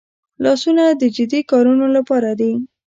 لاسونه د جدي کارونو لپاره دي